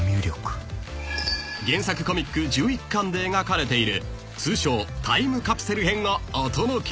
［原作コミック１１巻で描かれている通称タイムカプセル編をお届け］